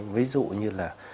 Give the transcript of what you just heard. ví dụ như là